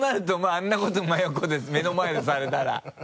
あんなこと真横で目の前でされたら。